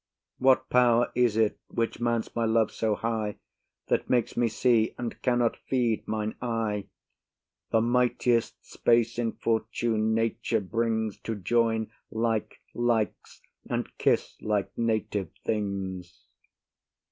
What power is it which mounts my love so high, That makes me see, and cannot feed mine eye? The mightiest space in fortune nature brings To join like likes, and kiss like native things.